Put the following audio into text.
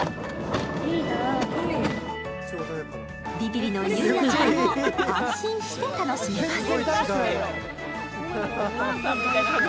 ビビリのゆいなちゃんも安心して楽しめます。